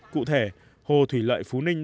cụ thể hồ thủy lợi phú ninh